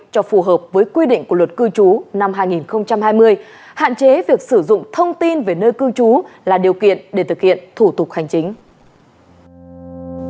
cho phù hợp với quy định của luật cư trú năm hai nghìn hai mươi hạn chế việc sử dụng thông tin về nơi cư trú là điều kiện để thực hiện thủ tục hành chính